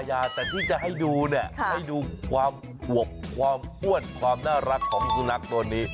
แต่ที่จะให้ดูเนี่ยให้ดูความอวบความอ้วนความน่ารักของสุนัขตัวนี้